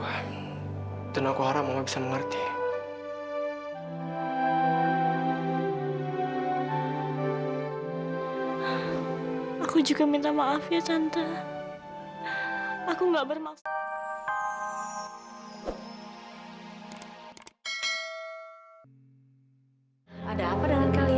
aku gak bermaksud